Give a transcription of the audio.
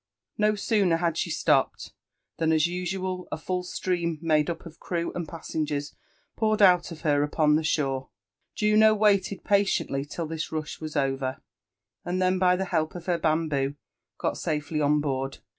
No sooner had she stopped than, as usual, a fall stream made up of crew and passengers poured out of her upon. the shore. Juno waited patiently till this rush was over, and then by the help of her bamboo got safely on board.